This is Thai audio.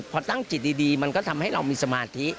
พอตั้งจิตดีมันก็ทำให้เรามีสมาธิ